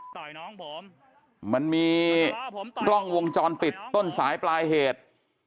เกลียดมีกล้องวงจรปิดต้นสายปลายเหตุ